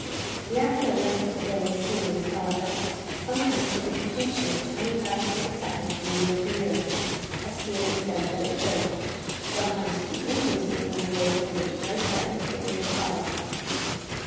The actual length of the days seems, however, sometimes to be decreasing a tiny fraction of a second from year to year, as theory says that it should; sometimes to be increasing in a way for which no present theory provides.